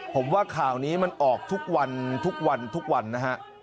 ผมว่าข่าวนี้มันออกทุกวันทุกวันทุกวันนะฮะ